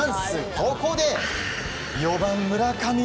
ここで４番、村上。